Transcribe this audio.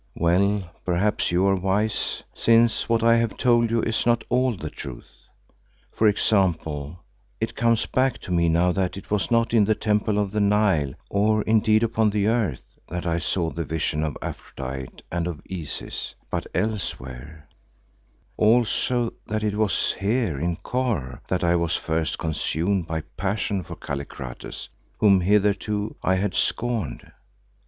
Well, perhaps you are wise, since what I have told you is not all the truth. For example, it comes back to me now that it was not in the temple on the Nile, or indeed upon the Earth, that I saw the vision of Aphrodite and of Isis, but elsewhere; also that it was here in Kôr that I was first consumed by passion for Kallikrates whom hitherto I had scorned.